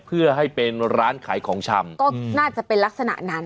เพื่อให้เป็นร้านขายของชำก็น่าจะเป็นลักษณะนั้น